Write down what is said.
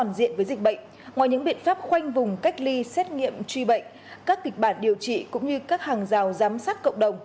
ngoài những biện pháp khoanh vùng cách ly xét nghiệm truy bệnh các kịch bản điều trị cũng như các hàng rào giám sát cộng đồng